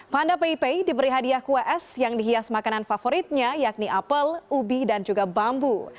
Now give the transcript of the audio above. panda paypay diberi hadiah kue es yang dihias makanan favoritnya yakni apel ubi dan juga bambu